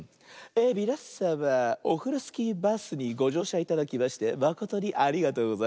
みなさまオフロスキーバスにごじょうしゃいただきましてまことにありがとうございます。